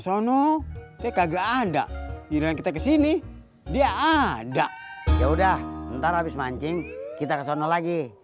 sono dia kagak ada giliran kita ke sini dia ada ya udah ntar habis mancing kita ke sono lagi ya